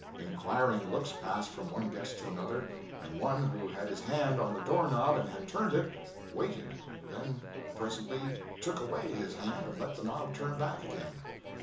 Inquiring looks passed from one guest to another; and one who had his hand on the door knob and had turned it, waited, then presently took away his hand and let the knob turn back again.